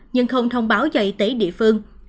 nhưng không thông báo cho y tế địa phương